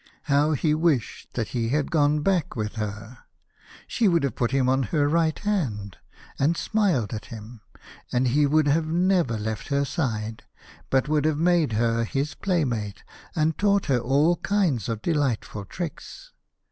How he wished that he had gone back with her ! She would have put him on her right hand, and smiled at him, and he would have never left her side, but would have made her his playmate, and taught her all kinds of delight ful tricks.